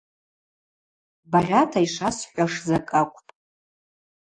Багъьата йшвасхӏвуаш закӏы акӏвпӏ.